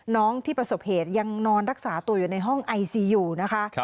ที่ประสบเหตุยังนอนรักษาตัวอยู่ในห้องไอซีอยู่นะคะ